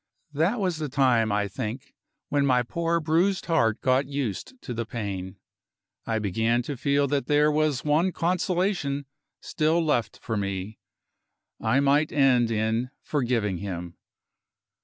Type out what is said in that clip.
That was the time, I think, when my poor bruised heart got used to the pain; I began to feel that there was one consolation still left for me I might end in forgiving him.